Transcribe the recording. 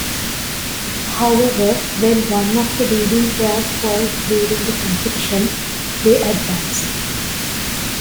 However, when one of the leading pairs falls during the competition, they advance.